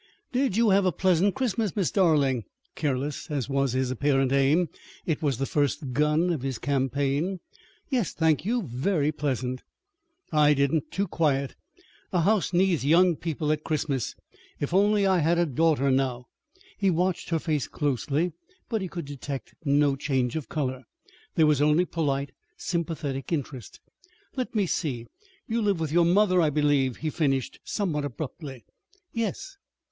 "Did you have a pleasant Christmas, Miss Darling?" Careless as was his apparent aim, it was the first gun of his campaign. "Yes, thank you, very pleasant." "I didn't. Too quiet. A house needs young people at Christmas. If only I had a daughter now " He watched her face closely, but he could detect no change of color. There was only polite, sympathetic interest. "Let me see, you live with your mother, I believe," he finished somewhat abruptly. "Yes."